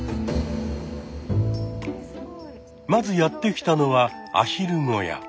まずやって来たのはアヒル小屋。